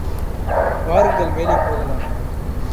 வாருங்கள், மேலே போகலாம்.